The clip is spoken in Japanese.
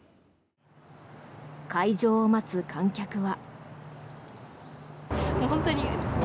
開場を待つ観客は。